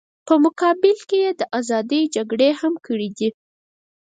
په مقابل کې یې د ازادۍ جګړې هم کړې دي.